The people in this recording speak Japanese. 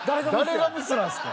誰がブスなんですか。